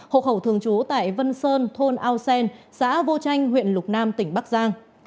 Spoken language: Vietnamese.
hộ khẩu thường trú tại vân sơn thôn ao sen xã vô chanh huyện lục nam tỉnh bắc giang